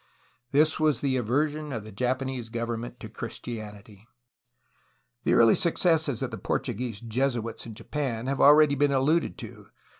This was the aversion of the Japanese government for Christianity. The early successes of the Portuguese Jesuits in Japan have already been alluded to.